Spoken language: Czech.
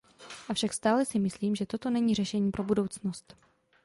Avšak stále si myslím, že toto není řešení pro budoucnost.